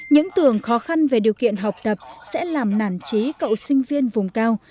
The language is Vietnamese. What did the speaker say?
những tưởng khó khăn về điều kiện học tập sẽ làm nản trí cậu sinh viên vùng cao